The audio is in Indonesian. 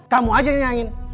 kamu aja yang nyayangi